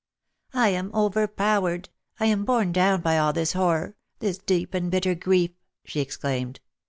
" I am overpowered, I am borne down by all this horror — this deep and bitter grief !" she exclaimed.